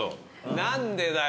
何でだよ。